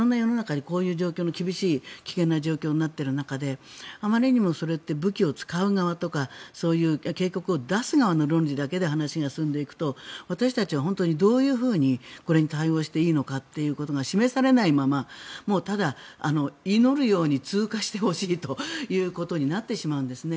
今厳しい危険な状況になっている中であまりにも、それって武器を使う側とかそういう警告を出す側の論理だけで話が進んでいくと私たちはどうこれに対応していいのかが示されないままもうただ、祈るように通過してほしいということになってしまうんですね。